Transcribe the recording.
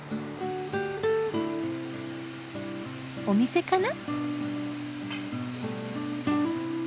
お店かな？